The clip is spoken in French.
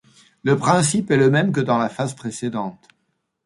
Le principe est le même que dans la phase précédente.